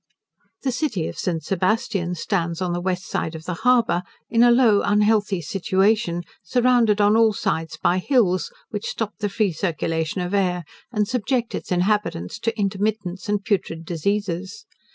The city of St. Sebastian stands on the west side of the harbour, in a low unhealthy situation, surrounded on all sides by hills, which stop the free circulation of air, and subject its inhabitants to intermittents and putrid diseases.